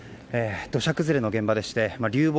土砂崩れの現場でして、流木